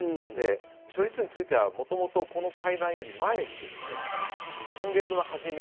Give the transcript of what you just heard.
処理水については元々この会談より前に今月の初め